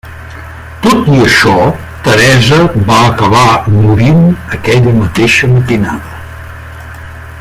Tot i això, Teresa va acabar morint aquella mateixa matinada.